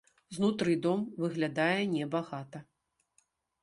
Знутры дом выглядае небагата.